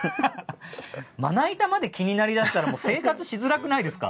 まな板まで気になりだしたらもう生活しづらくないですか？